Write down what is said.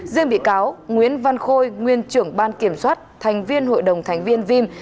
riêng bị cáo nguyễn văn khôi nguyên trưởng ban kiểm soát thành viên hội đồng thành viên vim